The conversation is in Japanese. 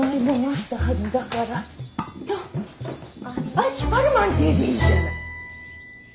アッシ・パルマンティエでいいじゃない！